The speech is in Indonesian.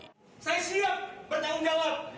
saya siap bertanggung jawab